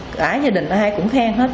cả gia đình cũng khen hết